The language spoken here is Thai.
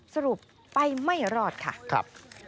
สรุปไปไม่รอดค่ะ